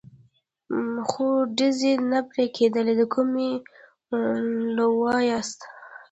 خو ډزې نه پرې کېدلې، د کومې لوا یاست؟